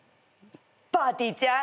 ぱーてぃーちゃん。